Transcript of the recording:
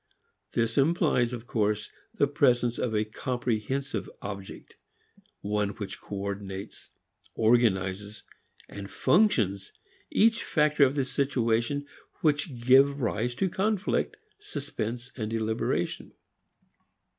This implies, of course, the presence of a comprehensive object, one which coordinates, organizes and functions each factor of the situation which gave rise to conflict, suspense and deliberation.